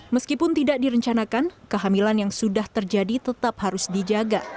meskipun tidak direncanakan kehamilan yang sudah terjadi tetap harus dijaga